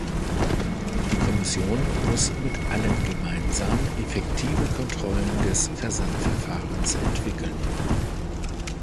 Die Kommission muss mit allen gemeinsam effektive Kontrollen des Versandverfahrens entwickeln.